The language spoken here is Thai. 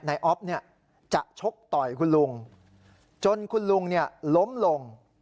นายอ๊อฟเนี้ยจะชกต่อยคุณลุงจนคุณลุงเนี้ยล้มลง